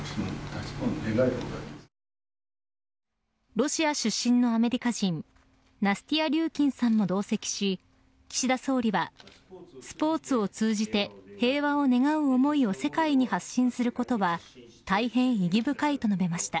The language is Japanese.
ロシア出身のアメリカ人ナスティア・リューキンさんも同席し岸田総理は、スポーツを通じて平和を願う思いを世界に発信することは大変意義深いと述べました。